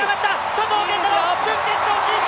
佐藤拳太郎、準決勝進出！